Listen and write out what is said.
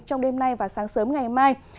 trong đêm nay và sáng sớm ngày mai